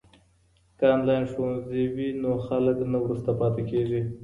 که انلاین ښوونځی وي نو خلګ نه وروسته پاته کیږي.